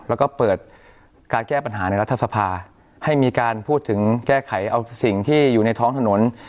แล้วก็เปิดการแก้ปัญหาในรัฐสภาให้มีการพูดถึงแก้ไขเอาสิ่งที่อยู่ในท้องถนน